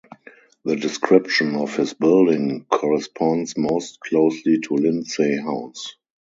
The description of his building corresponds most closely to Lindsey House.